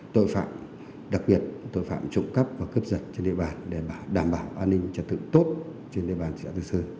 tội phạm đặc biệt tội phạm trụng cấp và cướp giật trên địa bàn để đảm bảo an ninh trật tự tốt trên địa bàn trật tự xưa